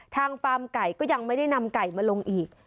ฟาร์มไก่ก็ยังไม่ได้นำไก่มาลงอีก